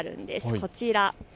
こちら。